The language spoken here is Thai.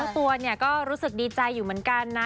ตัวเนี่ยก็รู้สึกดีใจอยู่เหมือนกันนะ